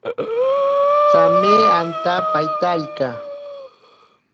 Tsame ante paitarika.